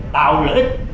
tạo lợi ích